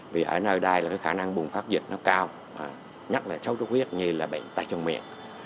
vì ở nơi đây là cái khả năng bùng phát dịch nó cao nhắc là sâu trúc huyết như là bệnh tay trong miệng